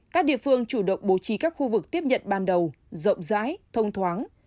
các địa phương chủ động bố trí các khu vực tiếp nhận ban đầu rộng rãi thông thoáng